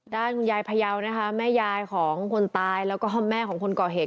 ด้านคุณยายพยาวนะคะแม่ยายของคนตายแล้วก็แม่ของคนก่อเหตุ